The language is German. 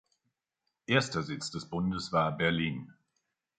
Erster Sitz des Bundes war Berlin.